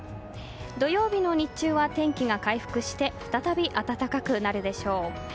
土曜日の日中は天気が回復して再び暖かくなるでしょう。